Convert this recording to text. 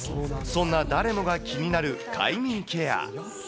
そんな誰もが気になる快眠ケア。